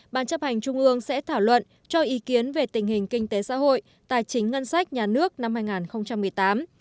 ban chấp hành trung ương sẽ thảo luận cho ý kiến về tình hình kinh tế xã hội tài chính ngân sách nhà nước năm hai nghìn một mươi tám